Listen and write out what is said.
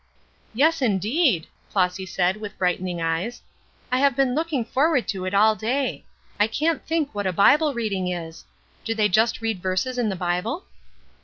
"Yes, indeed!" Flossy said, with brightening eyes. "I have been looking forward to it all day. I can't think what a Bible reading is. Do they just read verses in the Bible?"